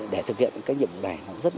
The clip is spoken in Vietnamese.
để thực hiện cái nhiệm vụ này